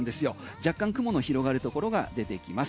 若干、雲の広がるところが出てきます。